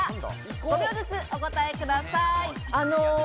５秒ずつお答えください。